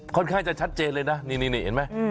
ค่อนข้างจะชัดเจนเลยนะนี่เห็นไหม